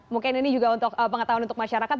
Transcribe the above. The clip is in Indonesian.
mungkin ini juga untuk pengetahuan untuk masyarakat